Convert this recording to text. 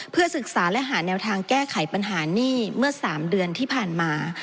เพื่อศึกษาและหาแนวทางแก้ไขปัญหาหนี้เมื่อ๓เดือนที่ผ่านมา